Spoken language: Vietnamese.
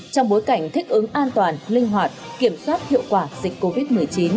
trong bối cảnh thích ứng an toàn linh hoạt kiểm soát hiệu quả dịch covid một mươi chín